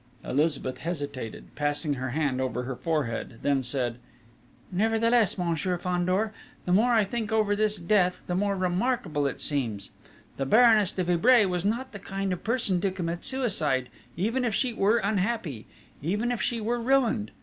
Elizabeth hesitated, passed her hand over her forehead, then said: "Nevertheless, Monsieur Fandor, the more I think over this death, the more remarkable it seems. The Baroness de Vibray was not the kind of person to commit suicide, even if she were unhappy, even if she were ruined.